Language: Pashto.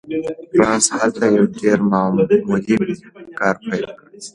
بارنس هلته يو ډېر معمولي کار پيل کړ.